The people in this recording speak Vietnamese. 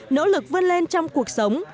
nỗ lực vươn lên trong cuộc sống